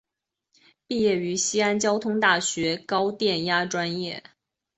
毕业于西安交通大学高电压专业。